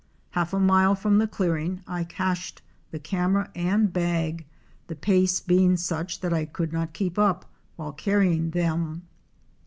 Half a mile from the clearing I cached the camera and bag, the pace being such that I could not keep up while carrying them.